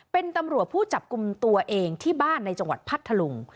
เป็นตำรวจผู้จับกลุ่มตัวเองที่บ้านในจังหวัดพัทธลุง